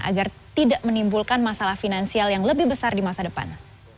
agar tidak menimbulkan masalah finansial yang lebih besar di masa depan